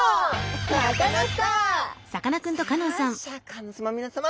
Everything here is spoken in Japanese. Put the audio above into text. さあシャーク香音さまみなさま。